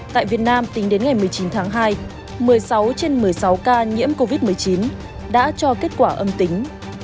tại việt nam tính đến ngày một mươi chín tháng hai một mươi sáu trên một mươi sáu ca nhiễm covid một mươi chín đã cho kết quả âm tính